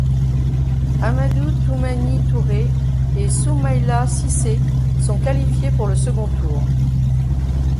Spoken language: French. Amadou Toumani Touré et Soumaïla Cissé sont qualifiés pour le second tour.